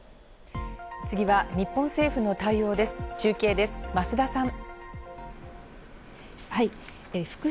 次は日本政府の対応です、中継です、増田さん。